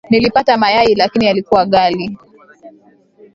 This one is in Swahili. Nilipata mayai lakini yalikuwa ghali.